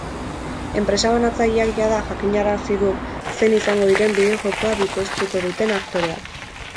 Enpresa banatzaileak jada jakinarazi du zein izango diren bideo-jokoa bikoiztuko duten aktoreak.